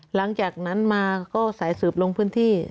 หลังจากนั้นมาก็สายสืบลงพื้นที่